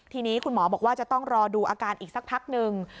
ทีนี้คุณหมอบอกว่าจะต้องรอดูอาการอีกสักพักหนึ่ง